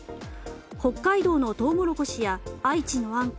北海道のトウモロコシや愛知のあんこ